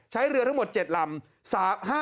ใช้เรือทั้งหมด๗ลำ